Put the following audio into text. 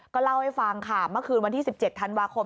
ก็เล่าให้ฟังค่ะเมื่อคืนวันที่๑๗ธันวาคม